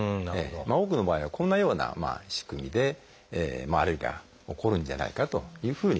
多くの場合はこんなような仕組みでアレルギーが起こるんじゃないかというふうに考えられています。